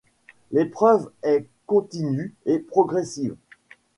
L'épreuve est continue et progressive.